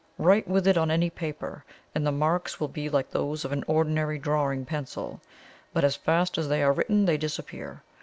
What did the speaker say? Write with it on any paper, and the marks will be like those of an ordinary drawing pencil; but as fast as they are written they disappear.